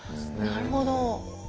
なるほど！